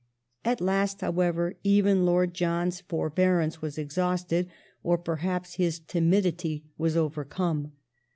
At last, however, even Lord John's forbearance was exhausted, J^e Coup or perhaps his timidity was overcome.